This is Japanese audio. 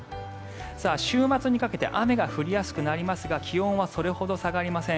週末にかけて雨が降りやすくなりますが気温はあまり下がりません。